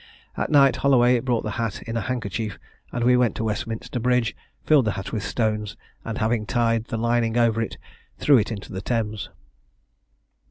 At night Holloway brought the hat in a handkerchief, and we went to Westminster bridge, filled the hat with stones, and, having tied the lining over it, threw it into the Thames."